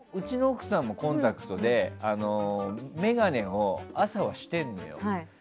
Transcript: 奥さんもコンタクトで眼鏡を朝はしてるのよ。